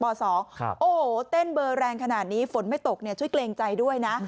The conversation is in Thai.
โอ้โหเต้นเบอร์แรงขนาดนี้ฝนไม่ตกช่วยเกรงใจด้วยนะ